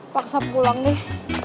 paksa pulang deh